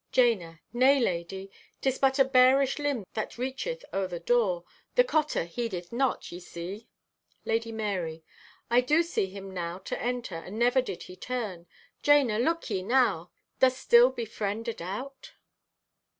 (Jana) "Nay, lady, 'tis but a barish limb that reacheth o'er the door. The cotter heedeth not, ye see." (Lady Marye) "I do see him now to enter, and never did he turn! Jana, look ye now! Doth still befriend a doubt?"